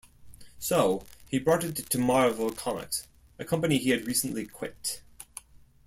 So, he brought it to Marvel Comics, a company he had recently quit.